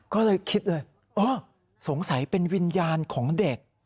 ก็เลยคิดเลยอ๋อสงสัยเป็นวิญญาณของเด็ก